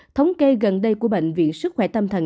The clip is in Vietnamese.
thống kê gần đây của bệnh viện sức khỏe tâm thần